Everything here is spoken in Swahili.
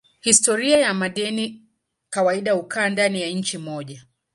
Historia ya madeni kawaida hukaa ndani ya nchi moja.